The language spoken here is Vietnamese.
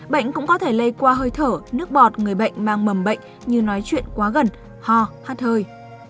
bệnh cũng có thể lây qua hơi thở nước bọt người bệnh mang mầm bệnh như nói chuyện quá gần ho hát hơi